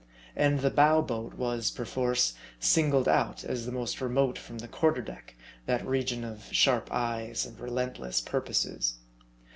And the "bow boat" was, perforce, singled out, as the most remote from the quarter deck, that region of sharp eyes and relentless purposes.